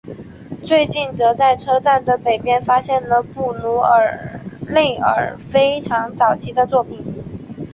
最近则在车站的北边发现了布鲁内尔非常早期的作品。